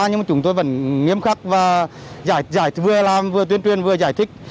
nhưng mà chúng tôi vẫn nghiêm khắc và giải vừa làm vừa tuyên truyền vừa giải thích